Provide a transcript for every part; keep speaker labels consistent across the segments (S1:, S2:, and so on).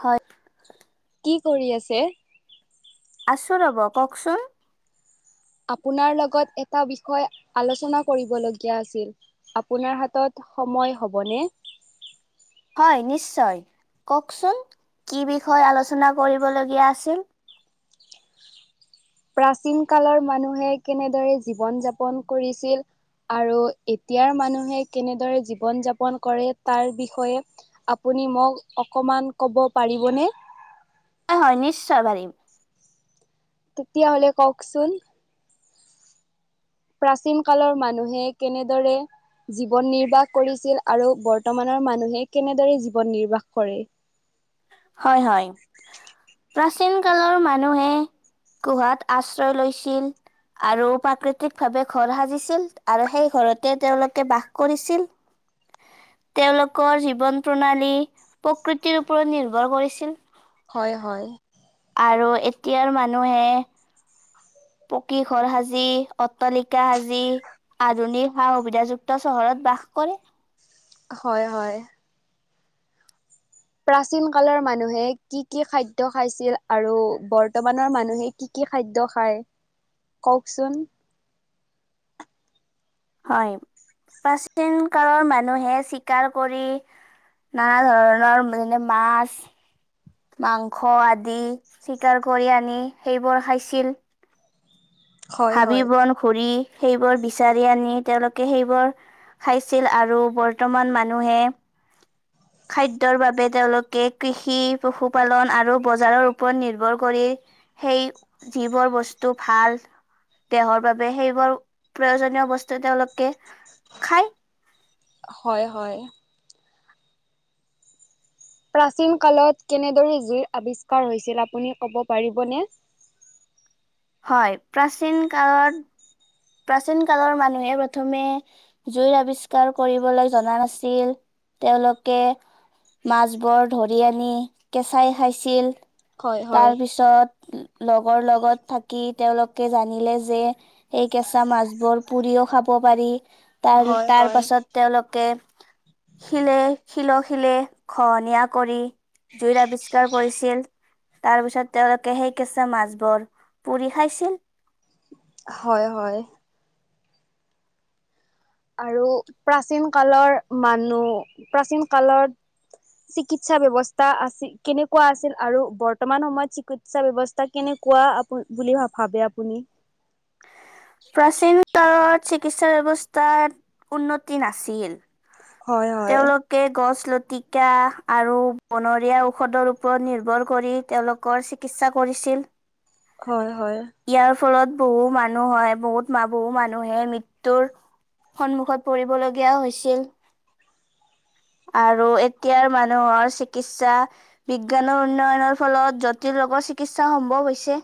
S1: হয়।
S2: কি কৰি আছে?
S1: আছো ৰব, কওকচোন?
S2: আপোনাৰ লগত এটা বিষয় আলোচনা কৰিবলীয়া আছিল। আপোনাৰ হাতত সময় হ'বনে?
S1: হয় নিশ্চয়, কওকচোন কি বিষয়ে আলোচনা কৰিবলগীয়া আছিল?
S2: প্ৰাচীন কালৰ মানুহে কেনেদৰে জীৱন যাপন কৰিছিল। আৰু এতিয়াৰ মানুহে কেনেদৰে জীৱন যাপন কৰে, তাৰ বিষয়ে আপুনি মোক অকণমান ক'ব পাৰিবনে?
S1: হয় হয় নিশ্চয় পাৰিম।
S2: তেতিয়াহ'লে কওকচোন। প্ৰাচীন কালৰ মানুহে কেনেদৰে জীৱন নিৰ্বাহ কৰিছিল আৰু বৰ্তমানৰ মানুহে কেনেদৰে জীৱন নিৰ্বাহ কৰে?
S1: হয় হয়, প্ৰাচীন কালৰ মানুহে গুহাত আশ্ৰয় লৈছিল। আৰু প্ৰাকৃতিক ভাৱে ঘৰ সাজিছিল, আৰু সেই ঘৰতে তেওঁলোকে বাস কৰিছিল।
S2: [inaudible]
S1: তেওঁলোকৰ জীৱন প্ৰণালী প্ৰকৃতিৰ ওপৰত নিৰ্ভৰ কৰিছিল।
S2: হয় হয়।
S1: আৰু এতিয়াৰ মানুহে পকী ঘৰ সাজি, অট্টালিকা সাজি আধুনিক সা সুবিধাযুক্ত চহৰত বাস কৰে।
S2: হয় হয়। প্ৰাচীন কালৰ মানুহে কি কি খাদ্য খাইছিল, আৰু বৰ্তমানৰ মানুহে কি কি কি খাদ্য খায় কওকচোন?
S1: হয়, প্ৰাচীন কালৰ মানুহে চিকাৰ কৰি নানা ধৰণৰণ মানে মাছ। মাংস আদি চিকাৰ কৰি আনি সেইবোৰ খাইছিল।
S2: হয়
S1: হাবি
S2: হয়।
S1: বন ঘূৰি, সেইবোৰ বিচাৰি আনি তেওঁলোকে সেইবোৰ খাইছিল আৰু বৰ্তমান মানুহে খাদ্যৰ বাবে তেওঁলোকে কৃষি পশুপালন আৰু বজাৰৰ ওপৰত নিৰ্ভৰ কৰি সেই যিবোৰ বস্তু ভাল। দেহৰ বাবে সেইবোৰ প্ৰয়োজনীয় বস্তু তেওঁলোকে খায়।
S2: হয় হয়। প্ৰাচীন কালত কেনেদৰে জুইৰ আৱিষ্কাৰ হৈছিল, আপুনি ক'ব পাৰিবনে?
S1: হয়, প্ৰাচীন কালত প্ৰাচীন কালৰ মানুহে প্ৰথমে জুইৰ আৱিষ্কাৰ কৰিবলৈ জনা নাছিল তেওঁলোকে। মাছবোৰ ধৰি আনি কেঁচাই খাইছিল।
S2: হয় হয়
S1: তাৰ পিছত লগৰ লগত থাকি, তেওঁলোকে জানিলে যে এই কেঁচা মাছবোৰ পুৰিও খাব পাৰি তাৰ
S2: হয়
S1: তাৰ
S2: হয়।
S1: পাছত তেওঁলোকে শিলে শিলক শিলে ঘহনীয়া কৰি জুইৰ আৱিষ্কাৰ কৰিছিল। তাৰ পিছত তেওঁলোকে সেই কেঁচা মাছবোৰ পুৰি খাইছিল।
S2: হয় হয়। আৰু প্ৰাচীন কালৰ মানুহ প্ৰাচীন কালত চিকিৎসা ব্যৱস্থা আছি কেনেকুৱা আছিল আৰু বৰ্তমান সময়ত চিকিৎ- সা ব্যৱস্থা কেনেকুৱা আপ বুলি ভাব ভাবে আপুনি
S1: প্ৰাচীনত চিকিৎসা ব্যৱস্থাত উন্নতি নাছিল।
S2: হয় হয়
S1: তেওঁলোক কে গছ লতিকা আৰু বনৰীয়া ঔষধৰ ওপৰত নিৰ্ভৰ কৰি তেওঁলোক কৰ চিকিৎসা কৰিছিল।
S2: হয় হয়।
S1: ইয়াৰ ফলত বহু মানুহ হয় বহুত বহু মানুহে মৃত্যুৰ সন্মুখত পৰিবলগীয়া হৈছিল। আৰু এতিয়াৰ মানুহৰ চিকিৎসা বিজ্ঞানৰ উন্নয়নৰ ফলত জটিল ৰগত চিকিৎসা সম্ভৱ হৈছে।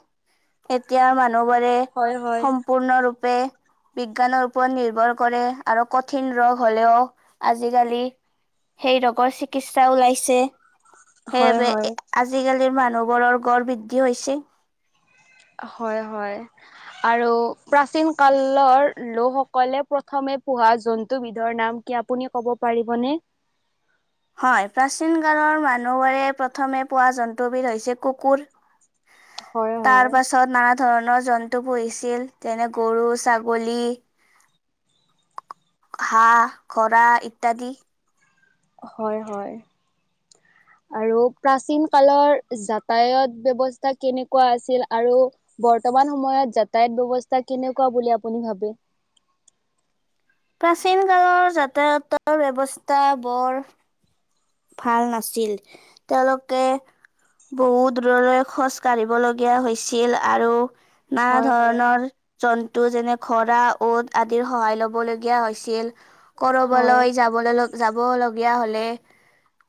S1: এতিয়া মানুহবাৰে
S2: হয় হয়।
S1: পূৰ্ণৰূপে বিজ্ঞানৰ ওপৰত নিৰ্ভৰ কৰে আৰু কঠিন ৰগ হ'লেও আজিকালি সেই ৰগৰ চিকিৎসা ওলাইছে।
S2: হয়
S1: সেইআবে
S2: হয়।
S1: আজিকালিৰ মানুহবোৰৰ গড় বৃদ্ধি হৈছে।
S2: হয় হয়। আৰু প্ৰাচীন কালৰ লোকসকলে প্ৰথমে পোহা জন্তুবিধৰ নাম কিয়া আপুনিয়ে ক'ব পাৰিবনে?
S1: হয় প্ৰাচীন কালৰ মানুহবৰে প্ৰথমে পোৱা জন্তুবিধ হৈছে কুকুৰ।
S2: হয়
S1: তাৰ
S2: হয়।
S1: পাছত নানাত ধৰণৰ জন্তু পুহিছিল। যেনে গৰু, ছাগলী হাঁহ, খৰা ইত্যাদি।
S2: হয় হয়। আৰু প্ৰাচীন কালৰ যাতায়ত ব্যৱস্থা কেনেকুৱা আছিল আৰু বৰ্তমান সময়ত যাতায়াত ব্যৱস্থা কেনেকুৱা বুলি আপুনি ভাবে?
S1: প্ৰাচীন কালৰ যাতায়তৰ ব্যৱস্থা বৰ ভাল নাছিল তেওঁলোকে বহুত দূৰলৈ খোজ কাঢ়িবলগীয়া হৈছিল আৰু নানা
S2: হয় হয়
S1: ধৰণৰ জন্তু যেনে খৰা, ঔদ আদিৰ সহায় লবলগীয়া হৈছিল কৰবাল
S2: হয়
S1: যাব যাব ললক যাবলগীয়া হ'লে।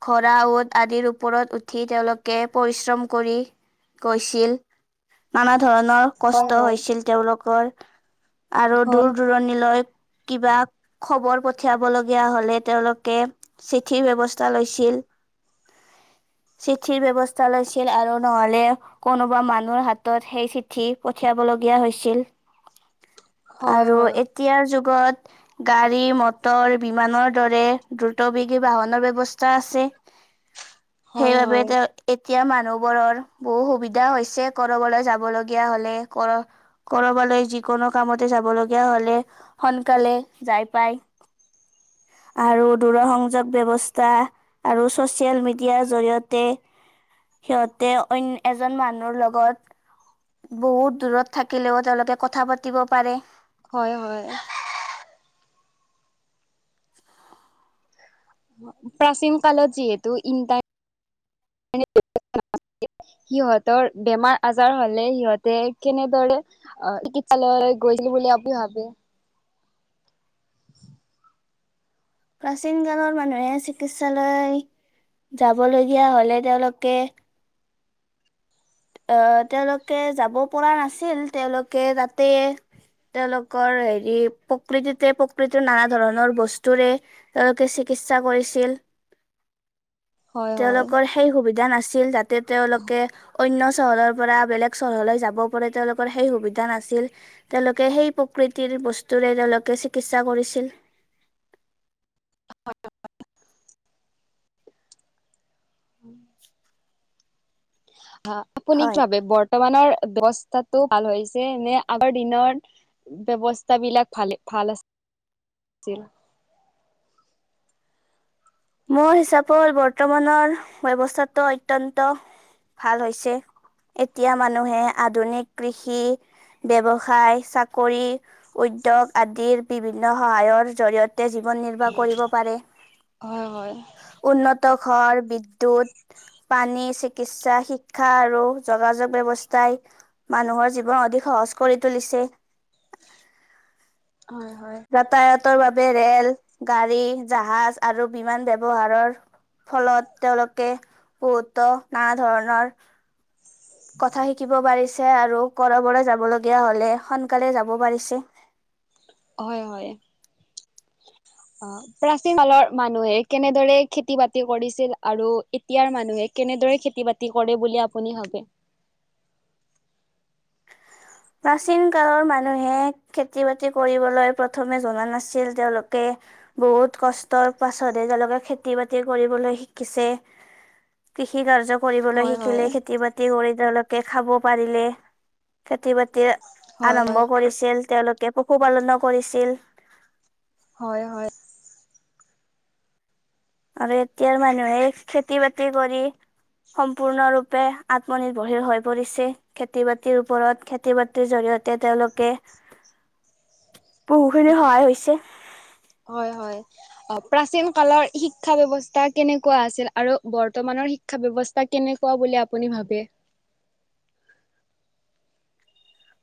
S1: খৰা, ঔদ আদিৰ ওপৰত উঠি তেওঁলোকে পৰিশ্ৰম কৰি গৈছিল নানা ধৰণৰ কষ্ট
S2: হয়
S1: হৈছিল তেওঁলোকৰ আৰু
S2: হয়
S1: দূৰ দূৰণিলৈ কিবা খবৰ পঠিয়াব লগীয়া হলে তেওঁলোকে চিঠি ব্যৱস্থ- তা লৈছিল।
S2: [inaudible]
S1: চিঠিৰ ব্যৱস্থা লৈছিল আৰু নহ'লে কোনোবা মানুহৰ হাতত সেই চিঠি পঠিয়াব লগীয়া হৈছিল।
S2: [inaudible]
S1: আৰু
S2: হয়
S1: এতিয়াৰ যুগত গাড়ী মটৰ বিমানৰ দৰে দ্ৰুত বেগী বাহনৰ ব্যৱ- স্থা আছে সেইবাবে
S2: হয়
S1: তেওঁ এতিয়া মানুহ বোৰৰ বহু সুবিধা হৈছে কৰবলৈ যাব লগীয়া হ'লে কৰ- কৰবালৈ যিকোনো কামতে যাব লগীয়া হ'লে সোনকালে যাই পায়। আৰু দূৰ সংযোগ ব্যৱ- স্থা আৰু ছ'চিয়েল মিডিয়া জৰিয়তে সিহঁতে অইন এজন মানুহৰ লগত বহুত দূৰত থাকিলেও তেওঁলোকে কথা পাতিব পাৰে।
S2: হয় হয় প্ৰাচীন কালত যিহেতু ইণ্টাৰ [unintelligible] সিহঁতৰ বেমাৰ আজাৰ হ'লে সিহঁতে কেনেদৰে অ চিকিৎসালয়লৈ গৈছিলো বুলি আপুনি ভাবে
S1: প্ৰাচীন কালৰ মানুহে চিকিৎসালয় যাবলগীয়া হ'লে তেওঁলোকে আহ তেওঁলোকে যাব পৰা নাছিল তেওঁলোকে তাতে তেওঁলোকৰ হেৰি প্ৰকৃতিতে প্ৰকৃতিৰ নানা ধৰণৰ বস্তুৰে তেওঁলোকে চিকিৎসা কৰিছিল।
S2: [inaudible] হয়
S1: তেওঁলোকৰ সেই সুবিধা নাছিল যাতে তেওঁলোকে অন্য চহৰৰ পৰা বেলেগ চহৰলৈ যাব পাৰি তেওঁলোকৰ সেই সুবিধা নাছিল। তেওঁলোকে সেই প্ৰকৃতিৰ বস্তুৰে তেওঁলোকে চিকিৎসা কৰিছিল।
S2: হয় [unintelligible] উম আহ আপুনি কি
S1: হয়
S2: ভাৱে বত- বৰ্তমানৰ বৱস্থাটো ভাল হৈছে নে আগৰ দিনত ব্যৱস্থা বিলাক ভালে ভাল আ ছিল
S1: মোৰ হিচাপত বৰ্তমানৰ ব্যৱস্থাটো অত্যন্ত ভাল হৈছে। এতিয়া মানুহে আধুনিক কৃষি, ব্যৱসায়, চাকৰি, উদ্যোগ আদিৰ বিভিন্ন সহায়ৰ জৰিয়- তে জীৱন নিৰ্বাহ কৰিব পাৰে।
S2: হয় হয়।
S1: উন্নত ঘৰ, বিদ্যুৎ, পানী, চিকিৎসা, শিক্ষা আৰু যোগাযোগ ব্যৱস্থাই মানুহৰ জীৱন অধিক সহজ কৰি তুলিছে।
S2: হয় হয়।
S1: যাতায়াতৰ বাবে ৰেল গাড়ী জাহাজ আৰু বিমান ব্যৱহাৰৰ ফলত তেওঁলোকে বহুতো নানা ধৰণৰ কথা শিকিব পাৰিছে আৰু কৰবলে যাবলগীয়া হ'লে সোনকালে যাব পাৰিছে।
S2: হয় হয় অ প্ৰাচীন কালৰ মানুহে কেনেদৰে খেতি-বাতি কৰিছিল আৰু এতিয়াৰ মানুহে কেনেদৰে খেতি-বা- তি কৰে বুলি আপুনি ভাবে?
S1: প্ৰাচীন কালৰ মানুহে খেতি-বাতি কৰিবলৈ প্ৰথমে জনা নাছিল তেওঁলোকে। বহুত কষ্টৰ পাছতহে তেওঁলোকে খেতি-বাতি কৰিবলৈ শিকিছে। কৃষি কাৰ্য কৰিবলৈ
S2: হয় হয়
S1: শিকিলে, খেতি বাতি- খেতি কৰি তেওঁলোকে খাব পাৰিলে। খেতি বাতি-
S2: হয় হয়
S1: আৰম্ভ কৰিছিল, তেওঁলোকে পশুপালনো কৰিছিল।
S2: হয় হয়।
S1: আৰু এতিয়াৰ মানুহে খেতি বাতি কৰি, সম্পূৰ্ণৰূপে আত্মনিৰ্ভৰশীল হৈ পৰিছে। খেতি বাতিৰ ওপৰত, খেতি বাতিৰ জৰিয়তে তেওঁলোকে-
S2: [inaudible]
S1: বহুখিনি সহায় হৈছে।
S2: হয় হয়। অ প্ৰাচীন কালৰ শিক্ষা ব্যৱস্থা কেনেকুৱা আছিল? আৰু বৰ্তমানৰ শিক- শিক্ষা ব্যৱস্থা কেনেকুৱা বুলি আপুনি ভাবে?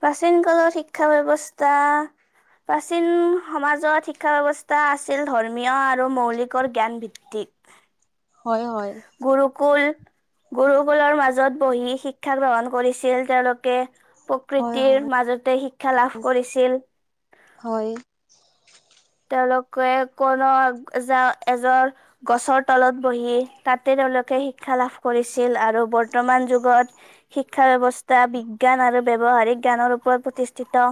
S1: প্ৰাচীন কালত শিক্ষা ব্যৱস্থা - প্ৰাচীন সমাজত শিক্ষা ব্যৱস্থা আছিল ধৰ্মীয় আৰু মৌলিকৰ জ্ঞানভিত্তিক।
S2: হয়, হয়।
S1: গুৰুকুল, গুৰুকুলৰ মাজত বহি শিক্ষা গ্ৰহণ কৰিছিল তেওঁলোকে। প-
S2: হয় হয়,
S1: প্ৰকৃতিৰ মাজতে শিক্ষা লাভ কৰিছিল!
S2: হয়।
S1: তেওঁলোকে কোনো যা এজন, গছৰ তলত বহি, তাতে তেওঁলোকে শিক্ষা লাভ কৰিছিল। আৰু বৰ্তমান যুগত শিক্ষা ব্যৱস্থা বিজ্ঞান আৰু ব্যৱহাৰিক জ্ঞানৰ ওপৰত প্ৰতিষ্ঠিত।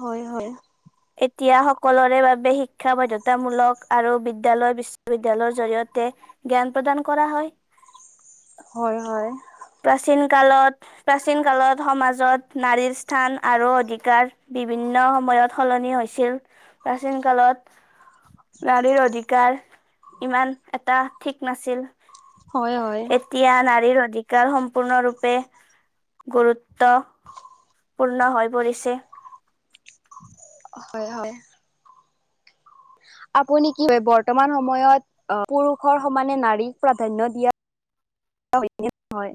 S2: হয়, হয়।
S1: এতিয়া সকলোৰে বাবে শিক্ষা বাধ্যতামূলক। আৰু বিদ্যালয় বিশ্ববিদ্যয়ালয়ৰ জৰিয়তে জ্ঞান প্ৰদান কৰা হয়।
S2: হয় হয়।
S1: প্ৰাচীন কালত, প্ৰাচীন কালত সমাজত নাৰীৰ স্থান আৰু অধিকাৰ বিভিন্ন সময়ত সলনি হৈছিল। প্ৰাচীন কালত নাৰীৰ অধিকাৰ ইমান এটা ঠিক নাছিল!
S2: হয়, হয়।
S1: এতিয়া নাৰীৰ অধিক- [unintelligible] সম্পূৰ্ণৰূপে গুৰুত্বপূৰ্ণ হৈ পৰিছে
S2: হয়, হয়। আপুনি কি হয়, বৰ্তমান সময়ত অ', পুৰুষৰ সমানে নাৰীক প্ৰাধান্য দিয়া, হয়নে নহয়?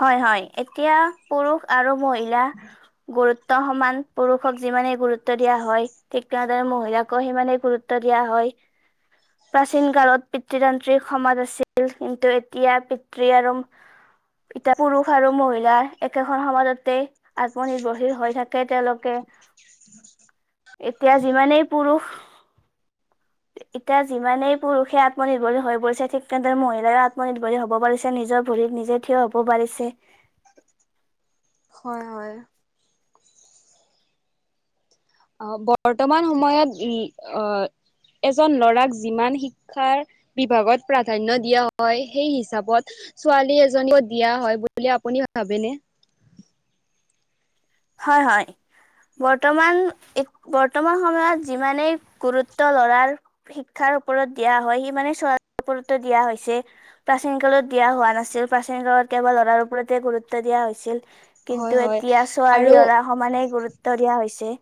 S1: হয়, হয়। এতিয়া পুৰুষ আৰু মহিলা গুৰুত্ব সমান পুৰুষক যিমানে গুৰুত্ব দিয়া হয়, ঠিক তেনেদৰে মহিলাকো সিমানে গুৰুত্ব দিয়া হয়। প্ৰাচীন কালত পিতৃতান্ত্ৰিক সমাজ আছিল, কিন্তু এতিয়া পিতৃ আৰু- এতিয়া পুৰুষ আৰু মহিলা একেখন সমাজতেই আত্মনিৰ্ভৰশীল হৈ থাকে তেওঁলোকে।
S2: [inaudible]
S1: এতিয়া যিমানেই পুৰুষ,
S2: [inaudible]
S1: এতিয়া যিমানেই পুৰুষে আত্মনিৰ্ভৰশীল হৈ পৰিছে, ঠিক তেনেদৰে মহিলাইও আত্মনিৰ্ভৰশীল হব পাৰিছে। নিজৰ- ভৰিত নিজে থিয় হ'ব পাৰিছে।
S2: হয়, হয়। অ' বৰ্তমান সময়ত ই অ' এজন লৰাক যিমান শিক্ষাৰ বিভাগত প্ৰাধান্য দিয়া হয়, সেই হিচাপত ছোৱালী এজনীকো দিয়া হয় বুলি আপুনি ভাবেনে?
S1: হয়, হয়! বৰ্তমান, [inaudible] বৰ্তমান সময়ত যিমানেই গুৰুত্ব ল'ৰাৰ শিক্ষাৰ ওপৰত দিয়া হয়, সি মানে [inaudible] ওপৰতো দিয়া হৈছে। প্ৰাচীন কালত দিয়া হোৱা নাছিল। প্ৰাচীন কালত কেৱল ল'ৰাৰ ওপৰতে গুৰুত্ব দিয়া হৈছিল।
S2: হয়
S1: কিন্তু
S2: হয়
S1: এতিয়া
S2: আৰু
S1: ছোৱালী ল'ৰা সমানে গুৰুত্ব দিয়া হৈছে।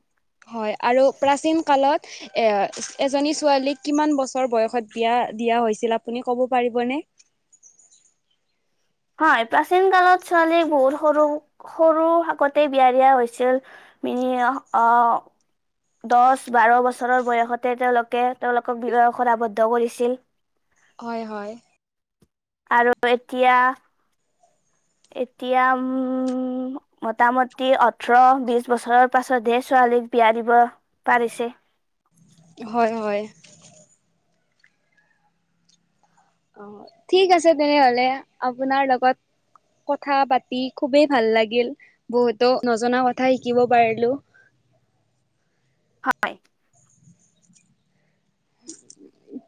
S2: হয় আৰু প্ৰাচীন কালত এ এজনী ছোৱালীক কিমান বছৰ বয়সত বিয়া দিয়া হৈছিল, আপুনি ক'ব পাৰিবনে?
S1: হয়। প্ৰাচীন কালত ছোৱালীক বহুত সৰু, সৰু শাকতে বিয়া দিয়া হৈছিল। [unintelligible] দচ বাৰ বছৰৰ বয়সতে তেওঁলোকে তেওঁলোকক বিবাহ পাশত আৱদ্ধ কৰিছিল।
S2: হয়, হয়।
S1: আৰু এতিয়া এতিয়া উম মোটামটি ওঠৰ বিশ বছৰৰ পাছতহে ছোৱালীক বিয়া দিব পাৰিছে।
S2: হয়, হয়। অ' ঠিক আছে তেনেহলে, আপোনাৰ লগত কথা পাতি খুবেই ভাল লাগিল। বহুতো নজনা কথা শিকিব পাৰিলোঁ।
S1: হয়।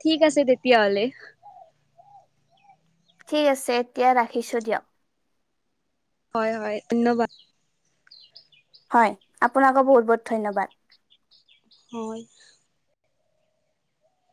S2: ঠিক আছে তেতিয়াহ'লে।
S1: ঠিক আছে এতিয়া ৰাখিছোঁ দিয়ক।
S2: হয় হয় ধন্যবাদ।
S1: হয়। আপোনাকো বহুত বহুত ধন্যবাদ।
S2: হয়।